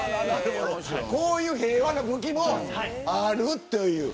こういう平和な武器もあるという。